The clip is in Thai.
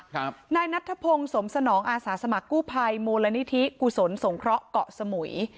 นายนัทธพงศ์สมสนองอาสาสมัครกู้ภัยมูลนิธิกุศลสงเคราะห์เกาะสมุย